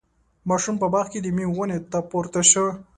ماشوم په باغ کې د میوو ونې ته پورته شو.